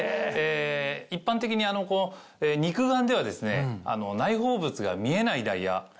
一般的に肉眼では内包物が見えないダイヤ。